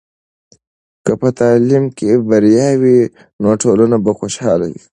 که په تعلیم کې بریا وي، نو ټولنه به خوشحاله وي.